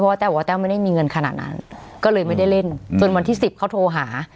แต้วบอกว่าแต้วไม่ได้มีเงินขนาดนั้นก็เลยไม่ได้เล่นจนวันที่สิบเขาโทรหา